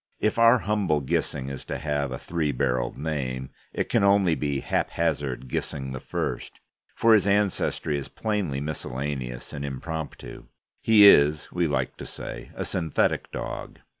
If our humble Gissing is to have a three barrelled name, it can only be Haphazard Gissing I, for his ancestry is plainly miscellaneous and impromptu. He is, we like to say, a synthetic dog.